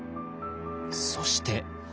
そして。